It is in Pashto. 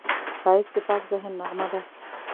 ښایست د پاک ذهن نغمه ده